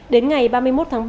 đến ngày ba mươi một tháng bốn